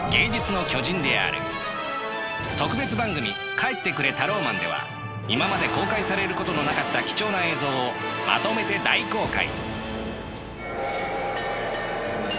「帰ってくれタローマン」では今まで公開されることのなかった貴重な映像をまとめて大公開。